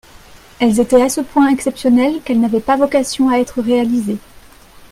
Elles étaient à ce point exceptionnelles qu’elles n’avaient pas vocation à être réalisées.